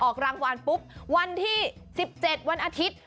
ออกรางวัลปุ๊บวันที่๑๗วันอาทิตย์